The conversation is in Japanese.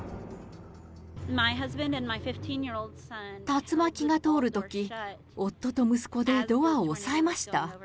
竜巻が通るとき、夫と息子でドアを押さえました。